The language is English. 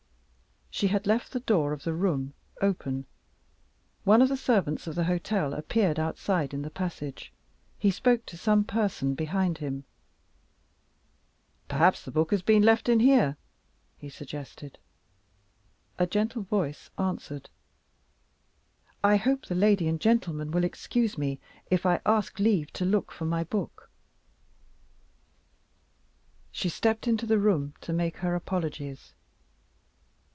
She had left the door of the room open. One of the servants of the hotel appeared outside in the passage. He spoke to some person behind him. "Perhaps the book has been left in here," he suggested. A gentle voice answered: "I hope the lady and gentleman will excuse me, if I ask leave to look for my book." She stepped into the room to make her apologies.